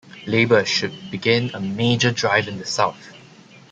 Labor should begin a major drive in the South.